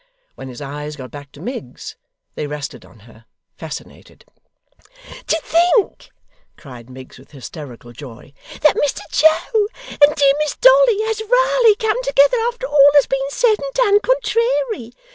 When his eyes got back to Miggs, they rested on her; fascinated. 'To think,' cried Miggs with hysterical joy, 'that Mr Joe, and dear Miss Dolly, has raly come together after all as has been said and done contrairy!